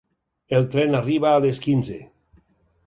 El tren arriba a les quinze.